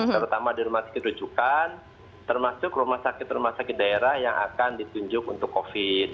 terutama di rumah sakit rujukan termasuk rumah sakit rumah sakit daerah yang akan ditunjuk untuk covid